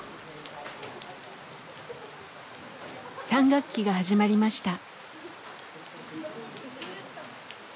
３学期が始まりました。